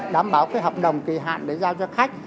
đảm bảo cái hợp đồng kỳ hạn để giao cho khách